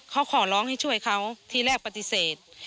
เขาขอร้องให้ช่วยเขาทีแรกปฏิเสธ